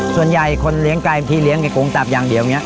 ส่วนใหญ่คนเลี้ยงไก่อันทีเลี้ยงไก่กรงตาปอย่างเดียว